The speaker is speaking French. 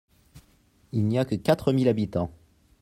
Il n’y a que quatre mille habitants.